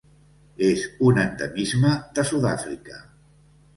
És un endemisme de Sud-àfrica: